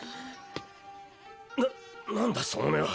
ななんだその目は。